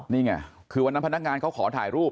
นี่ไงคือวันนั้นพนักงานเขาขอถ่ายรูป